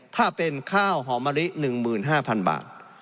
ถ้าเป็นข้าวหอมะลิ๑๕๐๐๐บาท